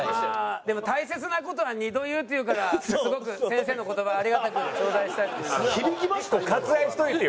でも「大切な事は二度言う」って言うからすごく先生の言葉ありがたくちょうだいしたいと思います。